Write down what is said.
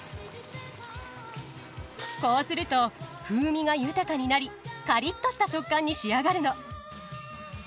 こうすると風味が豊かになりカリッとした食感に仕上がるの。